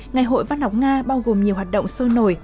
ngày hội văn học nga bao gồm nhiều hoạt động sôi nổi